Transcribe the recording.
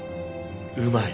うまい。